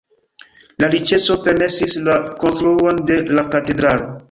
La riĉeco permesis la konstruon de la katedralo.